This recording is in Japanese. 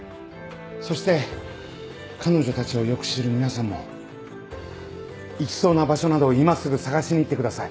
そして彼女たちをよく知る皆さんも行きそうな場所などを今すぐ捜しに行ってください。